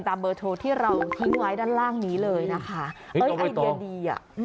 เบอร์โทรที่เราทิ้งไว้ด้านล่างนี้เลยนะคะเอ้ยไอเดียดีอ่ะ